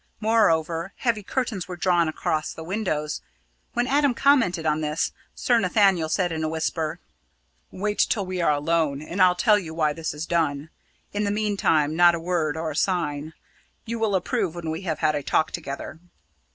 Moreover, heavy curtains were drawn across the windows. When Adam commented on this, Sir Nathaniel said in a whisper: "Wait till we are alone, and I'll tell you why this is done; in the meantime not a word or a sign. You will approve when we have had a talk together."